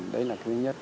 đấy là thứ nhất